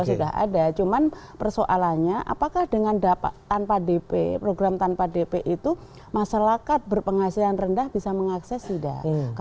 sudah ada perbankan yang mengeluarkan program yang sama